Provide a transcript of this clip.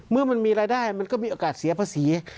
เมื่อมันมีรายได้มันก็มีโอกาสเสียภาษี